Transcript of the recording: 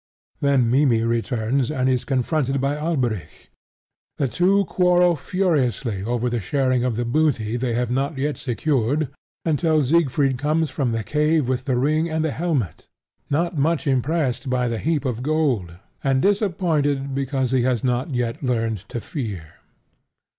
Then Mimmy returns, and is confronted by Alberic. The two quarrel furiously over the sharing of the booty they have not yet secured, until Siegfried comes from the cave with the ring and the helmet, not much impressed by the heap of gold, and disappointed because he has not yet learned to fear.